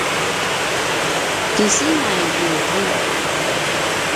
kisenay ni vuvu